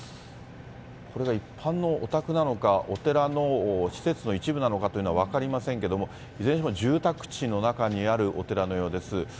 これが一般のお宅なのか、お寺の施設の一部なのかというのは分かりませんけれども、いずれにしても住宅地の中にあるお寺のようです。